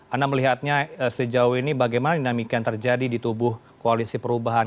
anda melihatnya sejauh ini bagaimana dinamika yang terjadi di tubuh koalisi perubahan